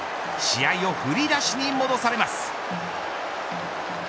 試合を振り出しに戻されます。